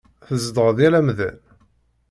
Tzedɣeḍ yal amdan.